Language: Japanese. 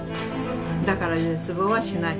だから絶望はしない。